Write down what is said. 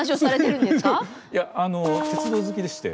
鉄道好きでして。